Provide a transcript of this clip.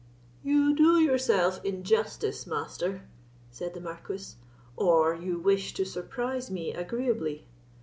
"You do yourself injustice, Master," said the Marquis, "or you wish to surprise me agreeably.